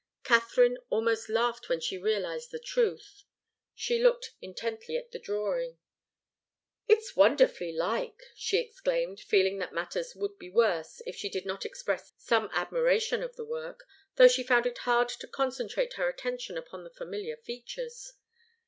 Katharine almost laughed when she realized the truth. She looked intently at the drawing. "It's wonderfully like!" she exclaimed, feeling that matters would be worse if she did not express some admiration of the work, though she found it hard to concentrate her attention upon the familiar features.